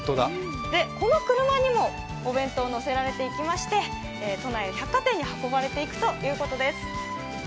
この車にもお弁当が載せられていきまして、都内の百貨店に運ばれていくということです。